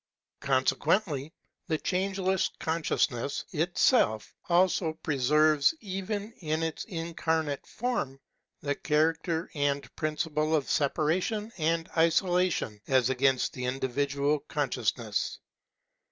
Consequently the Changeless Consciousness itself also pre serves even in its incarnate form the character and principle of separation and isolation as against the individual consciousness.